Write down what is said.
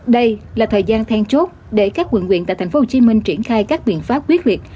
đây là thời gian then chốt để các quận quyền tại thành phố hồ chí minh triển khai các biện pháp quyết liệt